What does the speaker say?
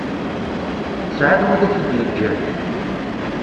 Tesεiḍ widak i d yeǧǧan